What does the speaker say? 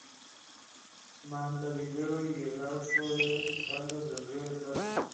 Montevideo y el otro arco de espaldas al río de la plata.